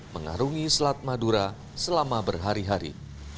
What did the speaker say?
mengarungi selat madura selama berhari hari